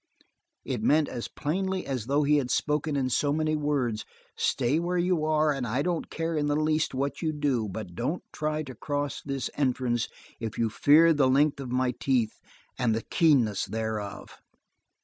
It meant as plainly as though he had spoken in so many words: "Stay where you are and I don't care in the least what you do, but don't try to cross this entrance if you fear the length of my teeth and the keenness thereof."